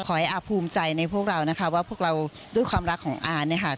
ขอให้อาภูมิใจในพวกเรานะคะว่าพวกเราด้วยความรักของอา